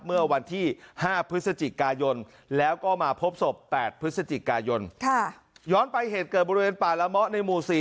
เมื่อวันที่๕พฤศจิกายนแล้วก็มาพบศพ๘พฤศจิกายนย้อนไปเหตุเกิดบริเวณป่าละเมาะในหมู่๔